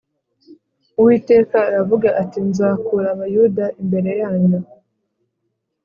Uwiteka aravuga ati Nzakura Abayuda imbere ya nyu